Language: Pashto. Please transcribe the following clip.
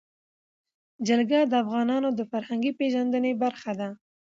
جلګه د افغانانو د فرهنګي پیژندنې برخه ده.